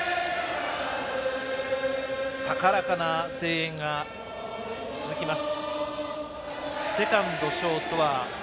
高らかな声援が続きます。